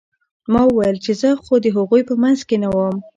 ما وويل چې زه خو د هغوى په منځ کښې نه وم.